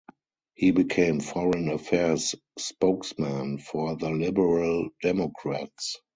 He became Foreign Affairs spokesman for the Liberal Democrats.